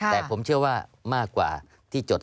แต่ผมเชื่อว่ามากกว่าที่จด๒๖๐๐๐๐๐